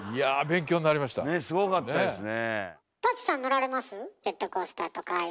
ねえすごかったですね。